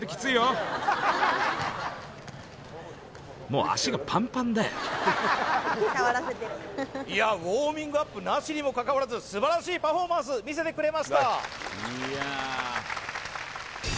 もういやウォーミングアップなしにもかかわらず素晴らしいパフォーマンス見せてくれました